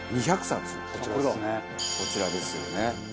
こちらですよね。